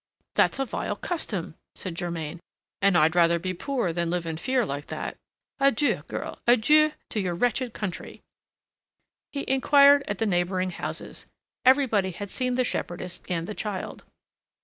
"That's a vile custom," said Germain, "and I'd rather be poor than live in fear like that. Adieu, girl! adieu to your wretched country!" He inquired at the neighboring houses. Everybody had seen the shepherdess and the child.